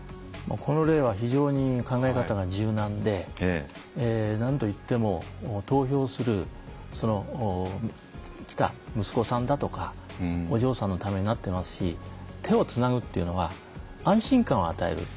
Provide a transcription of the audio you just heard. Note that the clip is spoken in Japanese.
この例は非常に考え方が柔軟でなんといっても投票する来た息子さんだとかお嬢さんのためになってますし手をつなぐっていうのは安心感を与える。